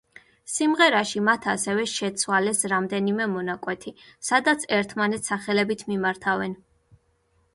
სიმღერაში მათ ასევე შეცვალეს რამდენიმე მონაკვეთი სადაც ერთმანეთს სახელებით მიმართავენ.